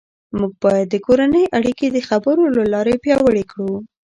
موږ باید د کورنۍ اړیکې د خبرو له لارې پیاوړې کړو